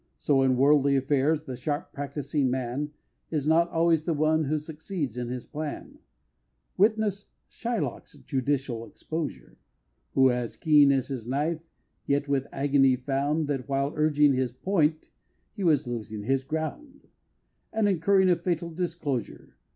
So in worldly affairs, the sharp practising man Is not always the one who succeeds in his plan, Witness Shylock's judicial exposure; Who, as keen as his knife, yet with agony found, That while urging his point he was losing his ground, And incurring a fatal disclosure.